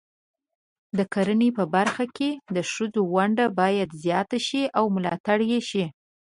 د کرنې په برخه کې د ښځو ونډه باید زیاته شي او ملاتړ شي.